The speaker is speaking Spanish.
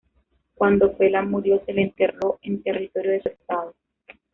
Cuando Fela murió se le enterró en territorio de su "Estado".